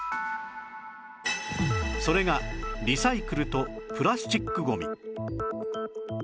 それがリサイクルとプラスチックゴミ